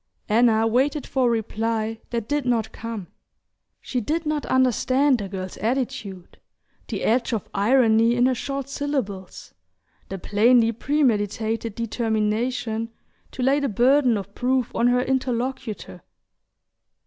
Anna waited for a reply that did not come. She did not understand the girl's attitude, the edge of irony in her short syllables, the plainly premeditated determination to lay the burden of proof on her interlocutor.